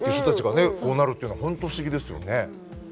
こうなるっていうのは本当不思議ですよね。